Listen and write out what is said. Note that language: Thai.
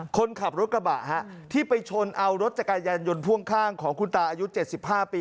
คนขับรถกระบะที่ไปชนเอารถจักรยานยนต์พ่วงข้างของคุณตาอายุ๗๕ปี